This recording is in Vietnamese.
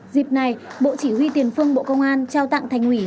dịp này bộ chỉ huy tiền phương bộ công an trao tặng thành ủy